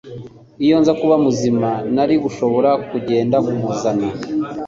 Iyo nza kuba muzima, narigushobora kugenda kumuzana